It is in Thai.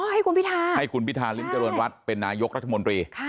อ๋อให้คุณพิทาให้คุณพิทาลิ้งจรวรรณรัฐเป็นนายกรัฐมนตรีค่ะ